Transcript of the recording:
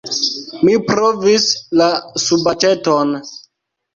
Mi provis la subaĉeton.